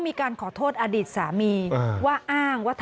ไม่รู้จริงว่าเกิดอะไรขึ้น